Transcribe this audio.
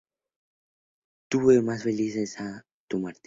Tú vive más feliz, esa es tu suerte.